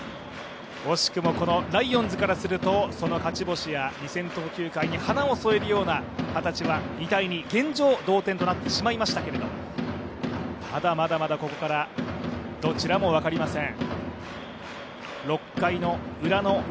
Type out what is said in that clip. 惜しくもライオンズからすると勝ち星や２０００投球回に花を添えるような形は２−２、現状同点となってしまいましたけれどもただ、まだまだここからどちらも分かりません。